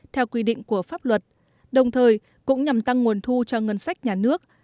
theo quy định của pháp luật đồng thời cũng nhằm tăng nguồn thu cho ngân sách nhà nước